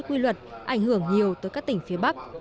quy luật ảnh hưởng nhiều tới các tỉnh phía bắc